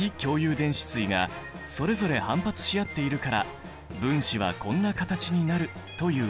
電子対がそれぞれ反発し合っているから分子はこんな形になるというわけ。